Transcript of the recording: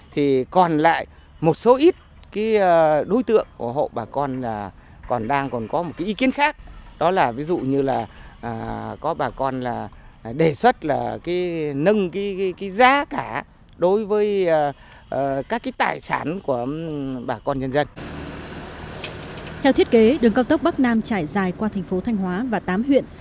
theo thiết kế đường cao tốc bắc nam chạy dài qua thành phố thanh hóa và tám huyện